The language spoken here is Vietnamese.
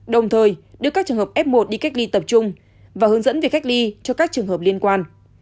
đồng thời đưa các trường hợp f một đi cách ly tập trung và hướng dẫn việc cách ly cho các trường hợp liên quan